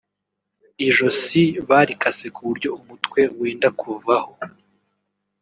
ijosi barikase ku buryo umutwe wenda kuvaho